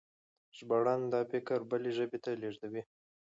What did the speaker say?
ژباړن دا فکر بلې ژبې ته لېږدوي.